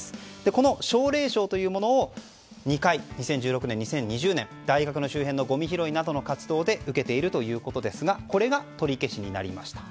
この奨励賞というものを２回、２０１６年２０２０年、大学の周辺のごみ拾いなどの活動で受けているということですがこれが取り消しになりました。